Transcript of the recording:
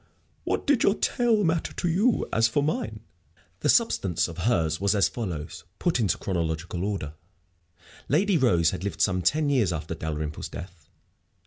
"What did your tale matter to you? As for mine " The substance of hers was as follows, put into chronological order: Lady Rose had lived some ten years after Dalrymple's death.